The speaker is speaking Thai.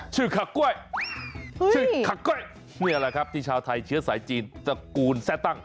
คากล้วยชื่อคากล้วยนี่แหละครับที่ชาวไทยเชื้อสายจีนตระกูลแซ่ตั้ง